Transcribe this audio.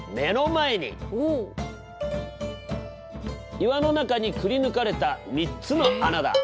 岩の中にくりぬかれた３つの穴だ。